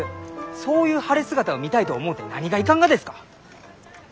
そういう晴れ姿を見たいと思うて何がいかんがですか！？